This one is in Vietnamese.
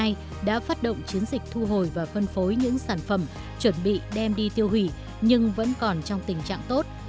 chẳng hạn như đức từ năm hai nghìn một mươi hai đã phát động chiến dịch thu hồi và phân phối những sản phẩm chuẩn bị đem đi tiêu hủy nhưng vẫn còn trong tình trạng tốt